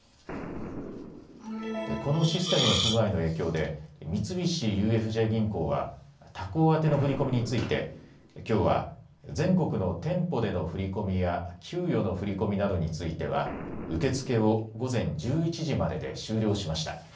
このシステムの不具合の影響で三菱ＵＦＪ銀行は他行宛の振り込みについてきょうは全国の店舗での振り込みや給与の振り込みなどについては受け付けを午前１１時までで終了しました。